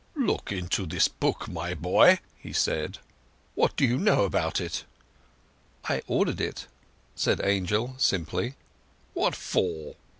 "Look into this book, my boy," he said. "What do you know about it?" "I ordered it," said Angel simply. "What for?"